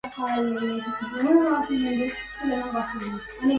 نحن الذين غدت رحى أحسابهم